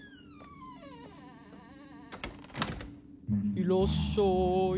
いらっしゃい。